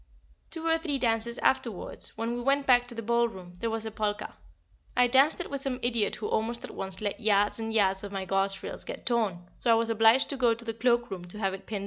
Two or three dances afterwards, when we went back to the ballroom, there was a polka; I danced it with some idiot who almost at once let yards and yards of my gauze frills get torn, so I was obliged to go to the cloak room to have it pinned up.